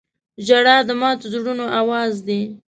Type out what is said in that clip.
• ژړا د ماتو زړونو اواز دی.